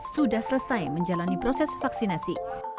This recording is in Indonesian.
sudah selesai menjalani proses vaksinasi